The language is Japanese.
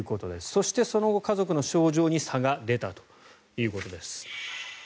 そしてその後、家族の症状に差が出たということです。